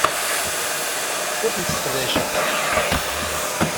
Ur tent-sseqdaceɣ.